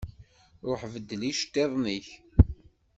Ṛuḥ beddel iceṭṭiḍen-ik.